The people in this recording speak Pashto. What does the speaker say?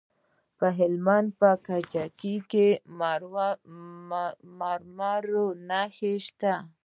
د هلمند په کجکي کې د مرمرو نښې شته.